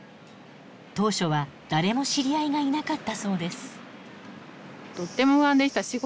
当初は誰も知り合いがいなかったそうです。